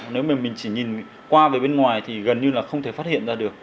nếu mà mình chỉ nhìn qua về bên ngoài thì gần như là không thể phát hiện ra được